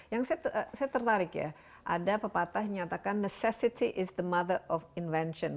yang saya tertarik ya ada pepatah menyatakan the sasity is the mother of invention